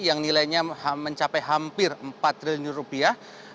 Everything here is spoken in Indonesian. yang nilainya mencapai hampir empat triliun rupiah